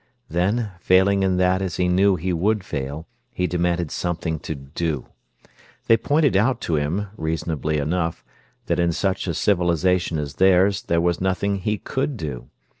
Then, failing in that as he knew he would fail, he demanded something to do. They pointed out to him, reasonably enough, that in such a civilization as theirs there was nothing he could do.